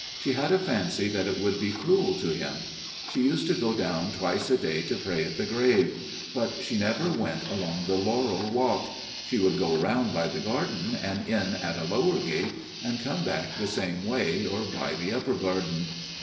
She had a fancy that it would be cruel to him. She used to go down twice a day to pray at the grave ; but she never went along the laurel walk. She would go round by the garden and in at a lower gate, and come back the same way, or by the upper garden.